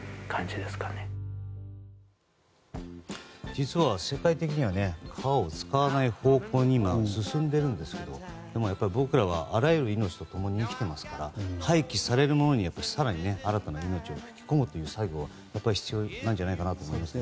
実は、世界的には皮を使わない方向に今進んでいるんですけどでも僕らはあらゆる命と共に生きているので廃棄されるものに更に新たな命を吹き込む作業は必要なんじゃないかなと思います。